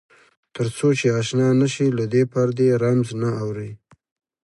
تر څو چې آشنا نه شې له دې پردې رمز نه اورې.